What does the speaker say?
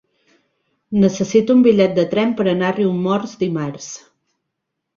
Necessito un bitllet de tren per anar a Riumors dimarts.